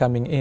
ồ đúng rồi